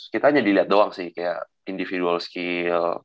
kita hanya dilihat doang sih kayak individual skill